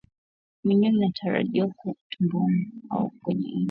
Minyoo inatarajiwa kuwa tumboni au kwenye ini kwa mnyama aliyekufa